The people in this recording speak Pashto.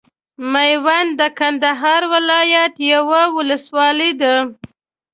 ميوند د کندهار ولايت یوه ولسوالۍ ده.